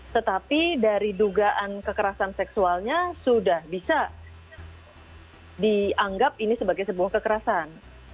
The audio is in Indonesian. tetapi dari dugaan kekerasan seksualnya sudah bisa dianggap ini sebagai sebuah kekerasan